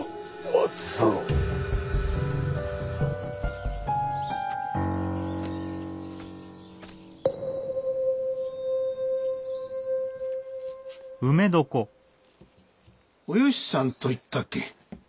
およしさんといったっけ？